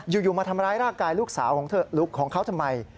อยู่มาทำร้ายร่างกายลูกสาวของเขาทำไม